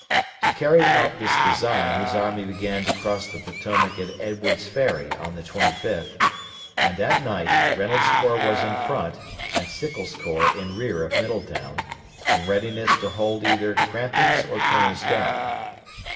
To carry out this design his army began to cross the Potomac at Edwards' Ferry on the 25th, and at night Reynolds' corps was in front and Sickles' corps in rear of Middletown, in readiness to hold either Crampton's or Turner's Gap.